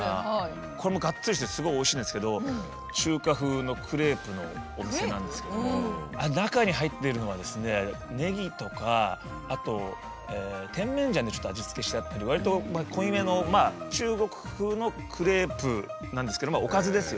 これもがっつりしてすごいおいしいんですけど中華ふうのクレープのお店なんですけども中に入っているのはネギとかあとテンメンジャンでちょっと味付けしてあったりわりと濃いめの中国ふうのクレープなんですけどおかずですよね